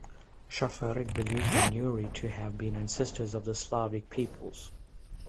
Schafarik believes the Neuri to have been ancestors of the Slavic peoples.